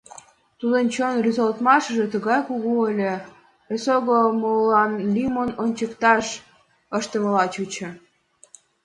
Тудын чон рӱзалтмашыже тугай кугу ыле, эсогыл молылан лӱмын ончыкташ ыштымыла чучо.